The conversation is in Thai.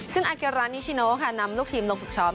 ซึ่งอาเกรานิชิโนค่ะนำลูกทีมลงฝึกซ้อม